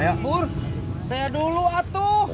ya bur saya dulu atuh